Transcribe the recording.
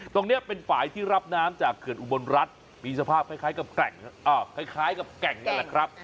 ตรงนี้เป็นฝ่ายที่รับน้ำจากเกิดอุบลรัฐมีสภาพคล้ายกับแก่งนี่แหละครับ